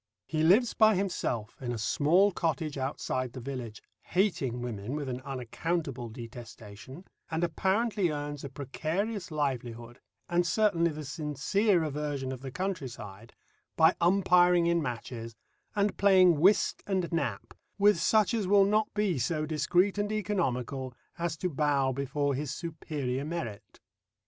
He lives by himself in a small cottage outside the village hating women with an unaccountable detestation and apparently earns a precarious livelihood, and certainly the sincere aversion of the country side, by umpiring in matches, and playing whist and "Nap" with such as will not be so discreet and economical as to bow before his superior merit.